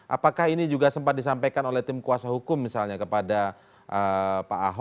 apakah ini juga sempat disampaikan oleh tim kuasa hukum misalnya kepada pak ahok